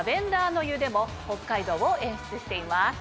でも北海道を演出しています。